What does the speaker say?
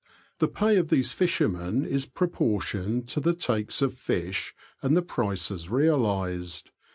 The pay of these fishermen is proportioned to the takes of fish and the prices realised.